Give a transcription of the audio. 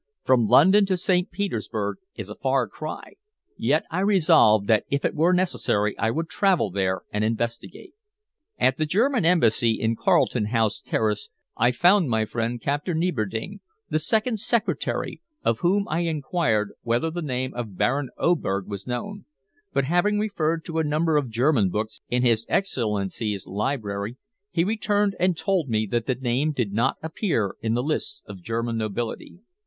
From London to Petersburg is a far cry, yet I resolved that if it were necessary I would travel there and investigate. At the German Embassy, in Carlton House Terrace, I found my friend Captain Nieberding, the second secretary, of whom I inquired whether the name of Baron Oberg was known, but having referred to a number of German books in his Excellency's library, he returned and told me that the name did not appear in the lists of the German nobility.